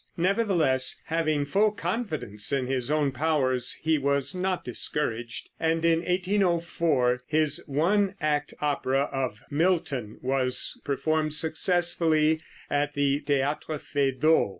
Nevertheless, having full confidence in his own powers, he was not discouraged, and in 1804 his one act opera of "Milton" was performed successfully at the Théatre Feydeau.